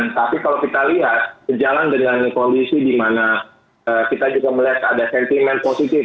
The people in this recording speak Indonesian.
tapi kalau kita lihat sejalan dengan kondisi di mana kita juga melihat ada sentimen positif